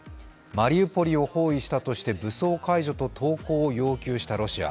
マリウポリを包囲したとして武装解除と投降を要求したロシア。